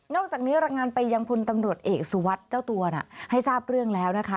อกจากนี้รายงานไปยังพลตำรวจเอกสุวัสดิ์เจ้าตัวให้ทราบเรื่องแล้วนะคะ